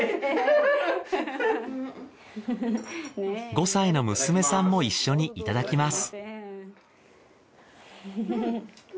５歳の娘さんも一緒にいただきます。